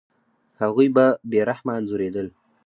هغوی به بې رحمه انځورېدل.